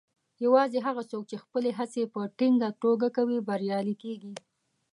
یوازې هغه څوک چې خپلې هڅې په ټینګه توګه کوي، بریالي کیږي.